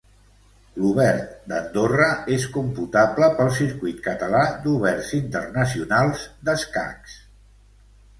L'Obert d'Andorra és computable pel Circuit Català d'Oberts Internacionals d'Escacs.